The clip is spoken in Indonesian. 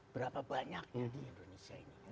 berapa banyaknya di indonesia ini